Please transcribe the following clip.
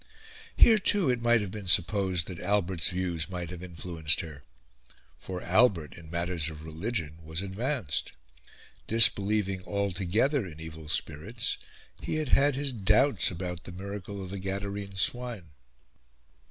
Here, too, it might have been supposed that Albert's views might have influenced her. For Albert, in matters of religion, was advanced. Disbelieving altogether in evil spirits, he had had his doubts about the miracle of the Gaderene Swine.